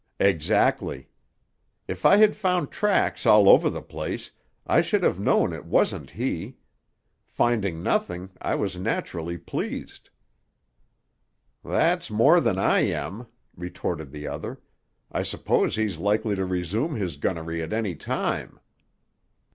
"Exactly. If I had found tracks all over the place, I should have known it wasn't he. Finding nothing, I was naturally pleased." "That's more than I am," retorted the other. "I suppose he's likely to resume his gunnery at any time."